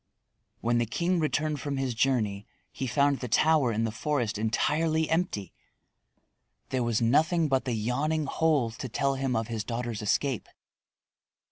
When the king returned from his journey he found the tower in the forest entirely empty. There was nothing but the yawning hole to tell him of his daughter's escape.